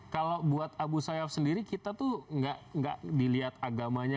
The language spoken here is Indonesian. kalau buat abu sayyaf sendiri kita tuh nggak dilihat agamanya